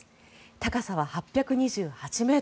高さは８２８ｍ。